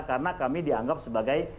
karena kami dianggap sebagai